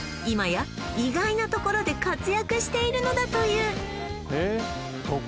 今や意外なところで活躍しているのだというええ